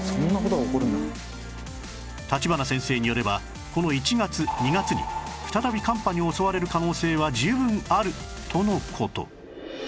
立花先生によればこの１月２月に再び寒波に襲われる可能性は十分あるとの事